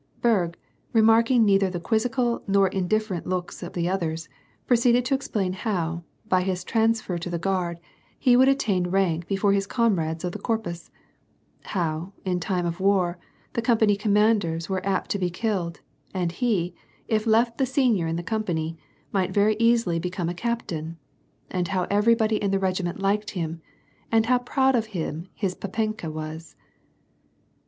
Berg, remarking neither the quizzical nor indiffer ent looks of the others, proceeded to explain how, by his trans fer to the Guard, he would attain rank before his comrades of the Corpus ; how, in time of war, the company commanders were apt to be killed ; and he, if left the senior in the com pany, might very easily become a captain ; and how everybody in the regiment liked him, and how proud of him his papenka was.